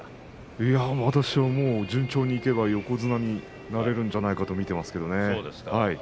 私は順調にいけば横綱になれるんじゃないかと見ていますけれどもね。